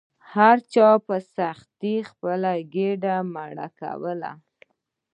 هر چا په سختۍ خپله ګیډه مړه کوله.